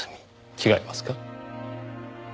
違いますか？